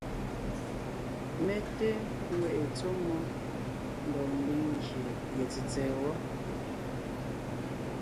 Mé té ŋweʼe tsɔ́ mmó ndɔg ńdiŋ gyè ye tsètsɛ̀ɛ wɔ.